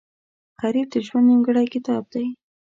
غریب د ژوند نیمګړی کتاب دی